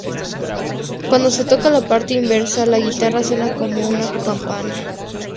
Cuando se toca la parte inversa, la guitarra suena como una campana.